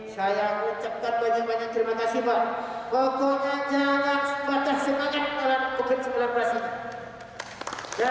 sayang dia dinyatakan sembuh dan diperbolehkan pulang ke rumah bersyukur atas perjuangan